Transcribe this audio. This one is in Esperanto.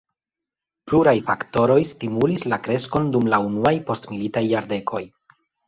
Pluraj faktoroj stimulis la kreskon dum la unuaj postmilitaj jardekoj.